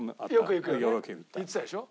行ってたでしょ。